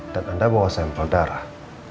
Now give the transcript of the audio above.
anda bawa sampel darah